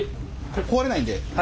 壊れないんで。